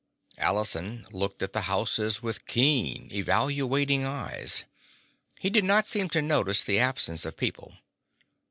Allison looked at the houses with keen, evaluating eyes. He did not seem to notice the absence of people.